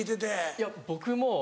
いや僕も。